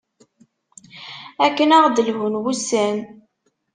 Akken ad aɣ-d-lhun wusan.